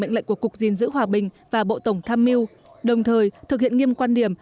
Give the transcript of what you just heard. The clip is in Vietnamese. mệnh lệnh của cục gìn giữ hòa bình và bộ tổng tham mưu đồng thời thực hiện nghiêm quan điểm